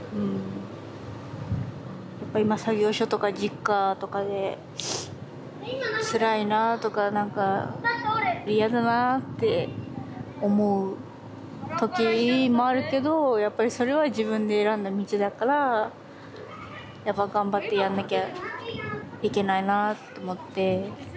やっぱり今作業所とかＪｉｋｋａとかでつらいなあとか何か嫌だなあって思う時もあるけどやっぱりそれは自分で選んだ道だからやっぱ頑張ってやんなきゃいけないなあと思って。